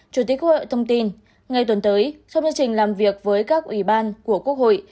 chủ tịch quốc hội thông tin ngày tuần tới sau chương trình làm việc với các ủy ban của quốc hội